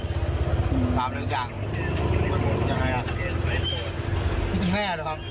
อืมตามเลยจากยังไงอ่ะไม่จริงแน่เลยครับ